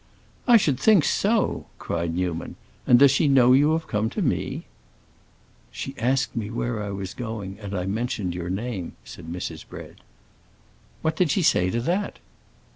"I should think so!" cried Newman. "And does she know you have come to me?" "She asked me where I was going, and I mentioned your name," said Mrs. Bread. "What did she say to that?"